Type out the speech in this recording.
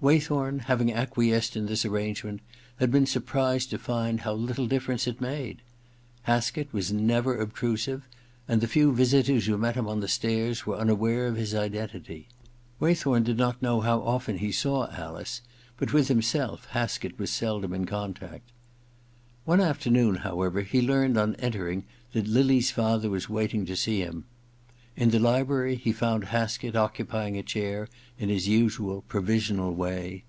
Waythorn, having acquiesced in this arrangement, had been surprised to find how little difference it made. Haskett was never obtrusive, and the few visitors who met him on the stairs were unaware of his identity. Way thorn did not know how often he saw Alice, but with himself Haskett was seldom in contact. One afternoon, however, he learned on enter ing that Lily*s father was waiting to see him. In the library he found Haskett occupying a chjur in his usual provisional way.